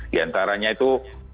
di antaranya itu